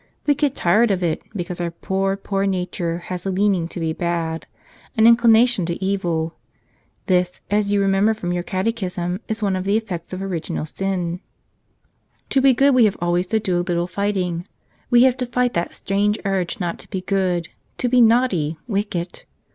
We get tired of it, because our poor, poor nature has a leaning to be bad, an inclina¬ tion to evil. This, as you remember from your cate¬ chism, is one of the effects of original sin. To be good 105 " Tell Us Another!" ^ s we have always to do a little fighting: we have to fight that strange urge not to be good, to be naughty, wicked.